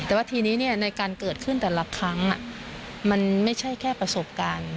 แต่ว่าทีนี้ในการเกิดขึ้นแต่ละครั้งมันไม่ใช่แค่ประสบการณ์